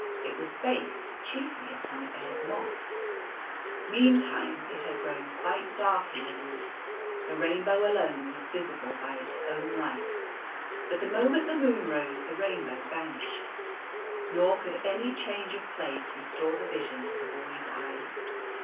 It was based chiefly upon a lied <f ni( . Meantime it had grown ([iiite dark in the wood. The rainbow alone was visible by its o\vn light. But the moment the moon rose the rainbow vanished. Nor could any change of place restore the vision to the boy's eyes.